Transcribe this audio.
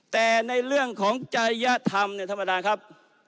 แต่ในเรื่องของจริยธรรมเนี่ยท่านประธานครับ